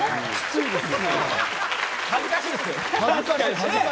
恥ずかしいですよね。